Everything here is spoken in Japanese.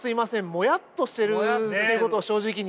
モヤっとしてるってことを正直に。